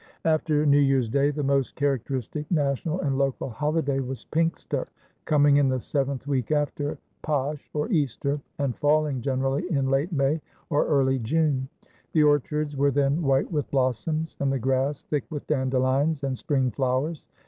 After New Year's Day the most characteristic national and local holiday was Pinkster, coming in the seventh week after Paasch, or Easter, and falling generally in late May or early June. The orchards were then white with blossoms and the grass thick with dandelions and spring flowers.